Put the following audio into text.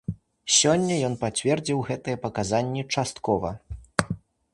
Сёння ён пацвердзіў гэтыя паказанні часткова.